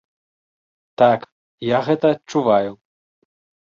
Так, я гэта адчуваю.